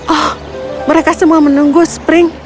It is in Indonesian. oh mereka semua menunggu spring